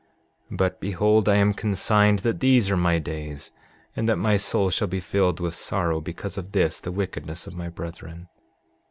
7:9 But behold, I am consigned that these are my days, and that my soul shall be filled with sorrow because of this the wickedness of my brethren.